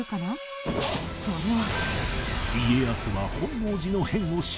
それは。